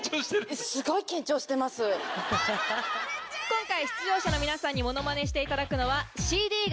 今回出場者の皆さんにものまねしていただくのは。